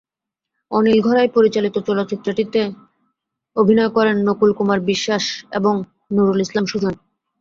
অনিল ঘড়াই পরিচালিত চলচ্চিত্রটিতে অভিনয় করেন নকুল কুমার বিশ বাস এবং নূরুল ইসলাম সুজন।